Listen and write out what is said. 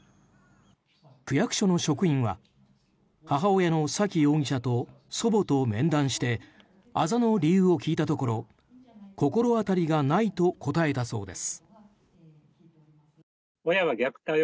区役所の職員は、母親の沙喜容疑者と祖母と面談してあざの理由を聞いたところ心当たりがないと答えたそうです。